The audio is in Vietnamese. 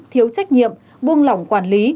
thiếu trách nhiệm buông lỏng quản lý